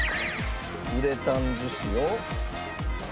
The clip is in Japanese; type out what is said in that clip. ウレタン樹脂を。